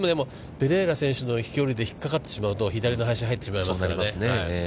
ペレイラ選手の飛距離で引っ掛かってしまうと左の林に入ってしまいますからね。